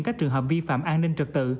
các trường hợp vi phạm an ninh trật tự